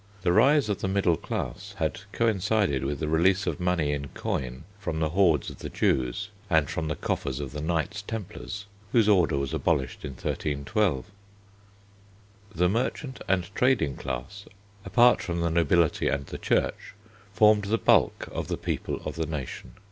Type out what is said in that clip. The rise of the middle class had coincided with the release of money in coin from the hoards of the Jews, and from the coffers of the Knights Templars, whose order was abolished in 1312. The merchant and trading class, apart from the nobility and the Church, formed the bulk of the people of the nation.